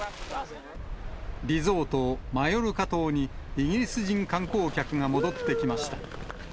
リゾート、マヨルカ島にイギリス人観光客が戻ってきました。